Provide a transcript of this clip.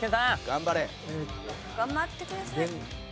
頑張れ。頑張ってください。